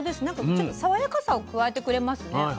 なんかちょっと爽やかさを加えてくれますね。